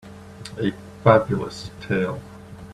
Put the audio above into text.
A Fabulous tale